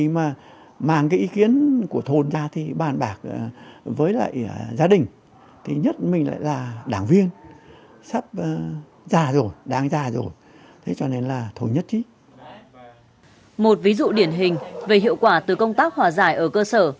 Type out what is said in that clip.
một ví dụ điển hình về hiệu quả từ công tác hòa giải ở cơ sở